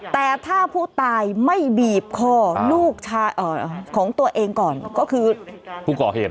แต่ถ้าผู้ตายไม่บีบคอลูกของตัวเองก่อนก็คือ